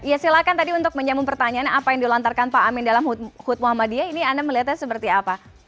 ya silahkan tadi untuk menyambung pertanyaan apa yang dilantarkan pak amin dalam hud muhammadiyah ini anda melihatnya seperti apa